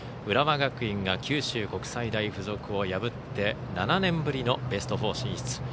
浦和学院が九州国際大付属を破って７年ぶりのベスト４進出。